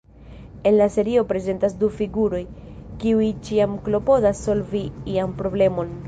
En la serio prezentas du figuroj, kiuj ĉiam klopodas solvi ian problemon.